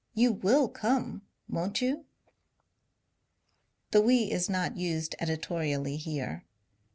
You will come, won't you ? The we is not used editorially here.